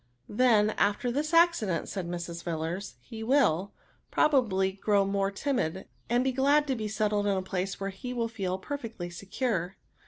>*' Then, after this accident," said Mrs. Villars, '* he will, probably, grow more timid, and be glad to be settled in a place where he will feel perfectly secure."